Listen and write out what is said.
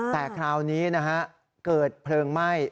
แต่คราวนี้นะฮะเกิดเพลิงไหม้